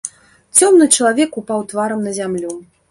Цёмны чалавек упаў тварам на зямлю.